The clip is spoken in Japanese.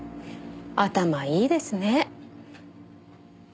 頭いいですね。